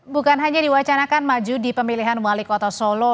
bukan hanya diwacanakan maju di pemilihan wali kota solo